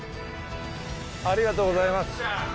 ありがとうございます。